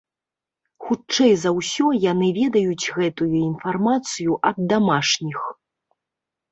Хутчэй за ўсё, яны ведаюць гэтую інфармацыю ад дамашніх.